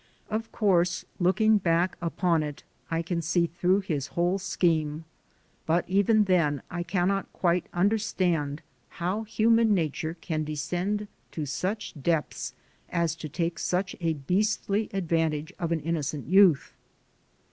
Of course looking back upon it, I can see through his whole scheme. But even then I cannot quite understand how human nature can descend to such depths as to take such a beastly advantage of an innocent youth.